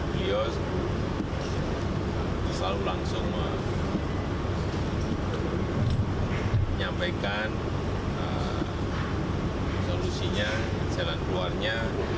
beliau selalu langsung menyampaikan solusinya jalan keluarnya